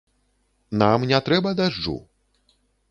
Нам не трэба дажджу!